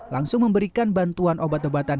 langsung memberikan bantuan obat obatan